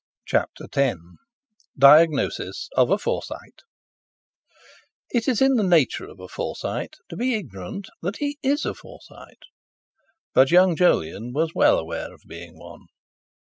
CHAPTER X DIAGNOSIS OF A FORSYTE It is in the nature of a Forsyte to be ignorant that he is a Forsyte; but young Jolyon was well aware of being one.